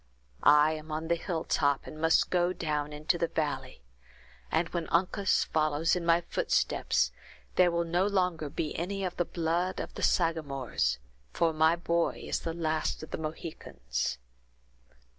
I am on the hilltop and must go down into the valley; and when Uncas follows in my footsteps there will no longer be any of the blood of the Sagamores, for my boy is the last of the Mohicans."